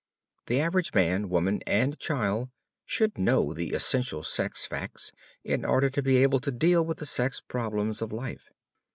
The average man, woman and child should know the essential sex facts in order to be able to deal with the sex problems of life.